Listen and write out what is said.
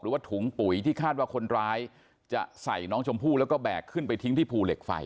หรือว่าถุงปุ๋ยที่คาดว่าคนร้ายจะใส่น้องชมพู่แล้วก็แบกขึ้นไปทิ้งที่ภูเหล็กไฟ